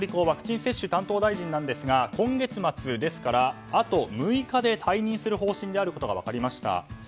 ワクチン接種担当大臣が今月末ですからあと６日で退任する方針であることが分かりました。